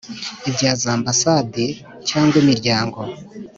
ibya za ambasade cyangwa imiryango